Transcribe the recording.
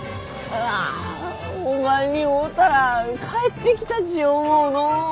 ああおまんに会うたら帰ってきたち思うのう。